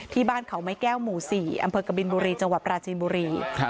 ที่บ้านเขาไม้แก้วหมู่๔อำเภอกบินบุรีจังหวัดปราจีนบุรี